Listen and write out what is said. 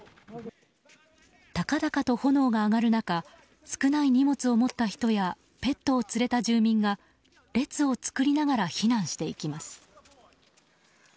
高々と炎が上がる中少ない荷物を持った人やペットを連れた住民が列を作りながら避難していきます。